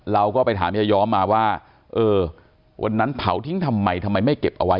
เราก็ไปถามยายอมมาว่าเออวันนั้นเผาทิ้งทำไมทำไมไม่เก็บเอาไว้